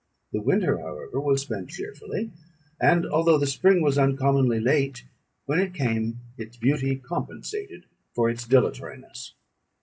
The winter, however, was spent cheerfully; and although the spring was uncommonly late, when it came its beauty compensated for its dilatoriness.